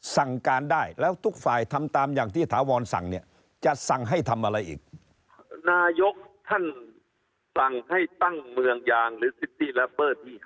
สมมติว่าอย่างนี้นะครับ